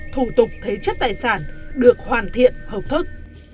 thủ tục thế chất tài sản được hoàn thiện hợp thức